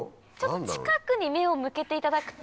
近くに目を向けていただくと。